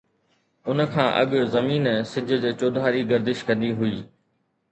ان کان اڳ زمين سج جي چوڌاري گردش ڪندي هئي.